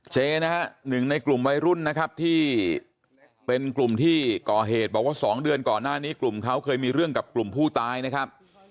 เจนะฮะหนึ่งในกลุ่มวัยรุ่นนะครับที่เป็นกลุ่มที่ก่อเหตุบอกว่า๒เดือนก่อนหน้านี้กลุ่มเขาเคยมีเรื่องกับกลุ่มผู้ตายนะครับ